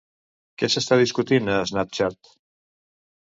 Què s'està discutint a Snapchat?